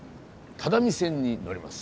只見線に乗ります。